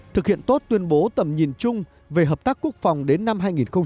thực hiện tốt tuyên bố tầm nhìn chung về hợp tác quốc phòng đến năm hai nghìn ba mươi